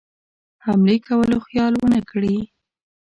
حملې کولو خیال ونه کړي.